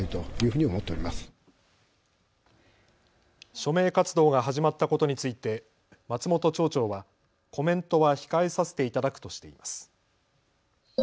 署名活動が始まったことについて松本町長はコメントは控えさせていただくとしています。